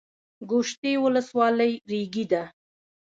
د ګوشتې ولسوالۍ ریګي ده